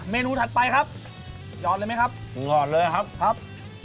นูถัดไปครับหยอดเลยไหมครับหยอดเลยครับครับ